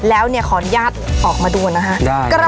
แล้วเนี่ยขออนุญาตออกมาดูนะฮะ